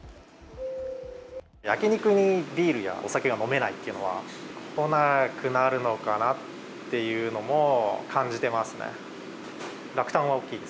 焼き肉にビールやお酒が飲めないっていうのは、来なくなるのかなっていうのも感じてますね。